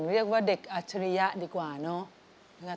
เรียกว่าเด็กอัจฉริยะดีกว่าเนาะ